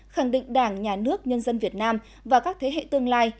khẳng định đảng nhà nước nhân dân việt nam và các thế hệ tương lai